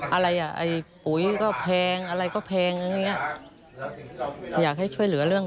อะไรอ่ะไอ้ปุ๋ยก็แพงอะไรก็แพงอย่างเงี้ยอยากให้ช่วยเหลือเรื่อง